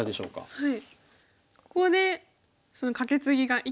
はい。